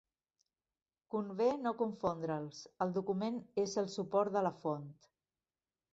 Convé no confondre'ls, el document és el suport de la font.